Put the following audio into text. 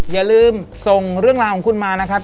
อย่าลืมส่งเรื่องราวของคุณมานะครับ